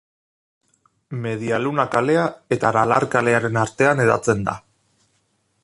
Media Luna kalea eta Aralar kalearen artean hedatzen da.